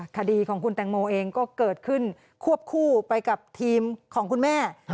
คดีของคุณแตงโมเองก็เกิดขึ้นควบคู่ไปกับทีมของคุณแม่